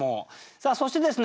さあそしてですね